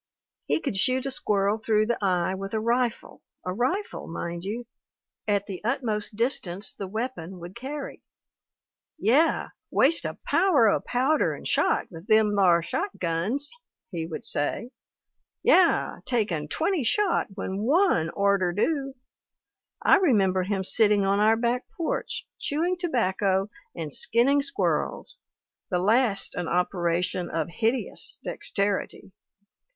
He could shoot a squirrel through the eye with a rifle a rifle f mind you ! at the utmost distance the weapon would carry. *Yeh waste a power o* powder 'n' shot with them thar shot guns/ he would say. 'Yeh taken twenty shot when one orter do.' I remember him sitting on our back porch, chewing tobacco, and skinning squirrels, the last an operation of hideous dexterity.